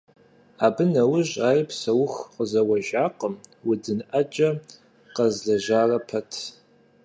Абы нэужь ари псэуху къызэуэжакъым, удын Ӏэджэ къэзлэжьарэ пэт.